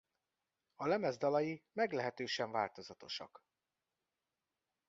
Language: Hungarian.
A lemez dalai meglehetősen változatosak.